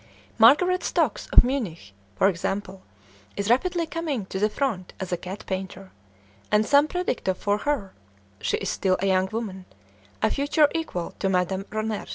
Margaret Stocks, of Munich, for example, is rapidly coming to the front as a cat painter, and some predict for her (she is still a young woman) a future equal to Madame Ronner's.